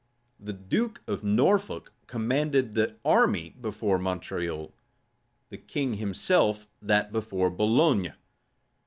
The duke of Norfolk commanded the army before Montreuil; the king himself that before Boulogne.